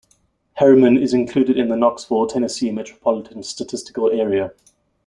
Harriman is included in the Knoxville, Tennessee Metropolitan Statistical Area.